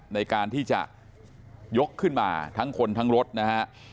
ในการที่จะยกขึ้นมาทั้งคนทั้งรถนะฮะ